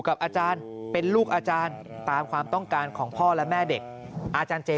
กับอาจารย์เป็นลูกอาจารย์ตามความต้องการของพ่อและแม่เด็กอาจารย์เจ